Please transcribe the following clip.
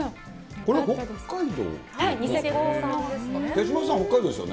これ、北海道？